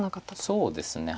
そうですね。